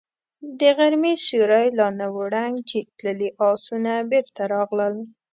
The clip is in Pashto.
د غرمې سيوری لا نه و ړنګ چې تللي آسونه بېرته راغلل.